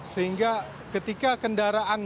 sehingga ketika kendaraan